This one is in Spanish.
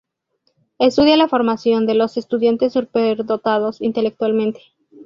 Estudia la formación de los estudiantes superdotados intelectualmente.